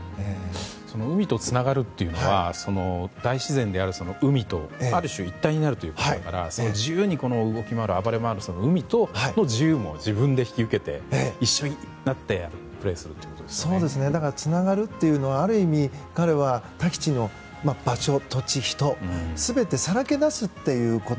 海とつながるというのは大自然である海とある種一体になるということだから自由に動き回る暴れまわる海とその自由を自分で引き受けて、一緒になってつながるというのはある意味、彼はタヒチの場所、土地、人全てさらけ出すということ。